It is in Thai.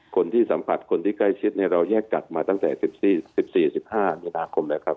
คนที่สัมพัดคนที่ใกล้ชิดแยกกันมาตั้งแต่๑๔๑๕นาคม